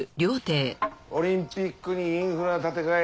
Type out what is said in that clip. オリンピックにインフラ建て替え。